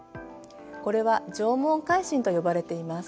これは縄文海進と呼ばれています。